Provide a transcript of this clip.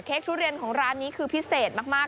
ทุเรียนของร้านนี้คือพิเศษมาก